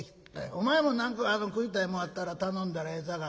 お前も何か食いたいもんあったら頼んだらええさかい。